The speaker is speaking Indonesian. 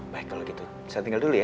baik kalau gitu saya tinggal dulu ya